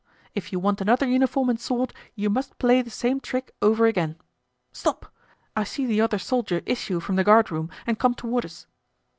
If you want another uniform and sword you must play the same trick over again. Stop! I see the other soldier issue from the guardroom and come toward us."